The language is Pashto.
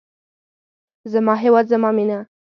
زما هیواد زما مینه.